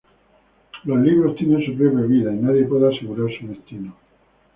Los libros tienen su propia vida y nadie puede asegurar su destino.